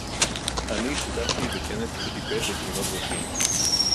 אני השתתפתי בכנס שטיפל בתאונות דרכים